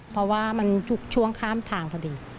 เพราะว่ามันทุกช่วงข้ามทางพอดี